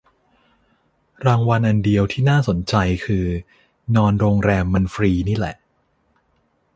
รางวัลอันเดียวที่น่าสนคือนอนโรงแรมมันฟรีนี่แหละ